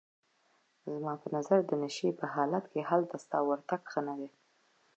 زما په نظر د نشې په حالت کې هلته ستا ورتګ ښه نه دی.